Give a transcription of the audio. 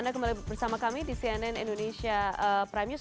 anda kembali bersama kami di cnn indonesia prime news